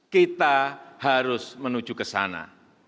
kita harus menuju ke sana